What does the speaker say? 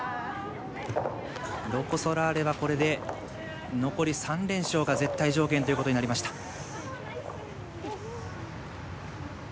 ロコ・ソラーレはこれで残り３連勝が絶対条件ということになりました。